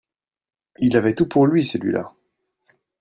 Il avait tout pour lui, celui-la